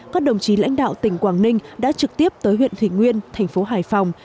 các đồng chí lãnh đạo tỉnh quảng ninh đã trực tiếp tới huyện thủy nguyên thành phố hải phòng